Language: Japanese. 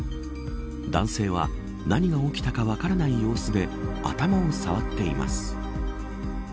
男性は何が起きたか分からない様子で頭を触っています。